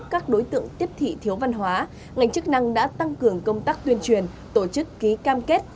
các đối tượng tiếp thị thiếu văn hóa ngành chức năng đã tăng cường công tác tuyên truyền tổ chức ký cam kết